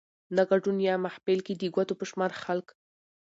نه ګدون يا محفل کې د ګوتو په شمار خلک